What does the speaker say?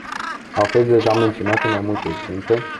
Au fost deja menționate mai multe exemple.